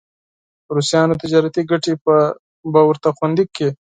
د روسانو تجارتي ګټې به ورته خوندي کړي.